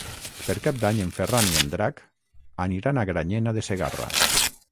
Per Cap d'Any en Ferran i en Drac aniran a Granyena de Segarra.